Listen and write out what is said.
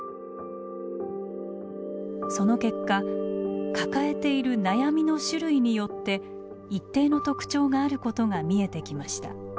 その結果抱えている悩みの種類によって一定の特徴があることが見えてきました。